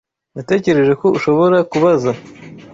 Natekereje ko ushobora kubaza.